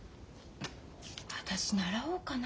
私習おうかな？